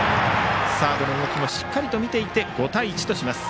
サードの動きもしっかり見ていて５対１とします。